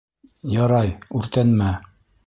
Ярай, үртәнмә...